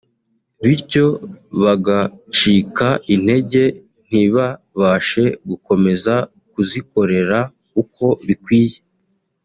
bityo bagacika intege ntibabashe gukomeza kuzikorera uko bikwiye